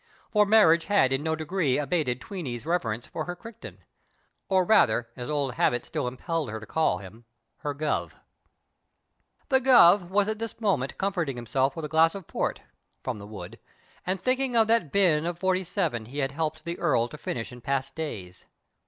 For marriage had in no degree abated Tweeny's reverence for her Crichton, or rather, as old habit still impellfd her to rail him, Ikt (Jiiv. 51 ■ S PASTICHE AND PREJUDICE The Guv. was at this moment comforting himself witli a glass of port (from the wood) and thinking of that bin of '47 he had helped the Earl to finish in past days.